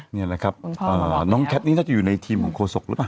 นี่แหละครับอ่ามรองนี่น่าจะอยู่ในทีมของโคสกรึปล่ะ